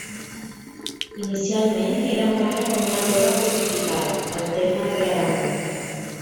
Inicialment era emprada com una torre fortificada, al terme de Claramunt.